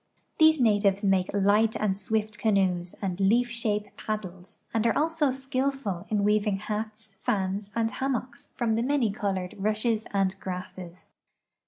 These natives make light and swift canoes and leaf shape pad dles, and are also skillful in weaving hats, fans, and hammocks from the many colored rushes and grasses.